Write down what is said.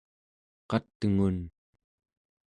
qat'ngun